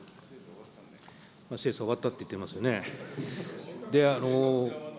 精査終わったって言ってますよね。